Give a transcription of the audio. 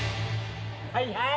はいはい。